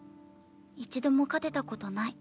一度も勝てたことない。